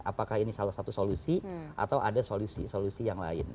apakah ini salah satu solusi atau ada solusi solusi yang lain